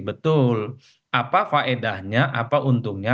betul apa faedahnya apa untungnya